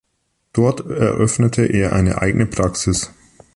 Dort eröffnete er eine eigene Praxis.